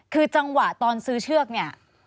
คือจังหวะตอนซื้อเชือกเนี่ย